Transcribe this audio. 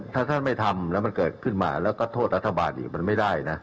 ถ้าท่านไม่ทำแล้วมันเกิดขึ้นมาแล้วก็โทษรัฐบาลอีกมันไม่ได้นะ